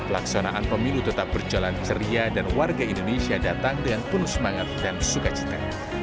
pelaksanaan pemilu tetap berjalan ceria dan warga indonesia datang dengan penuh semangat dan sukacita